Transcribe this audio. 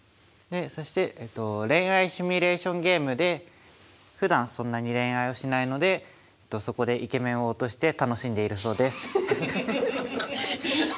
でそして恋愛シミュレーションゲームでふだんそんなに恋愛をしないのでそこでイケメンを落として楽しんでいるそうです。